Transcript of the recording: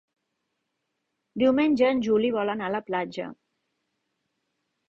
Diumenge en Juli vol anar a la platja.